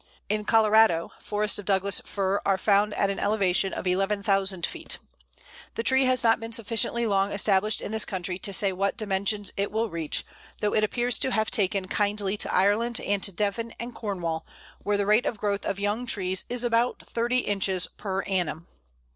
In Colorado, forests of Douglas Fir are found at an elevation of 11,000 feet. The tree has not been sufficiently long established in this country to say what dimensions it will reach, though it appears to have taken kindly to Ireland and to Devon and Cornwall, where the rate of growth of young trees is about 30 inches per annum.